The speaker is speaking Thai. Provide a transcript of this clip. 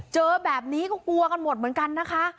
เจอแบบนี้ก็กลัวกันหมดเหมือนกันนะคะ